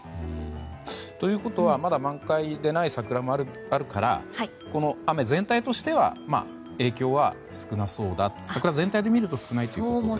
ということはまだ満開でない桜もあるからこの雨の影響は桜全体で見ると少ないということですね。